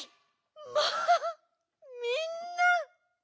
まあみんな！